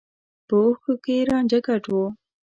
په اوښکو کې يې رانجه ګډ و.